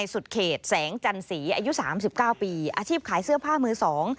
สุดเขตแสงจันศรีอายุ๓๙ปีอาชีพขายเสื้อผ้ามือสอง